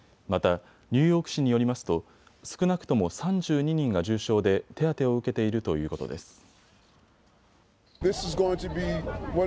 またニューヨーク市によりますと少なくとも３２人が重傷で手当てを受けているということです。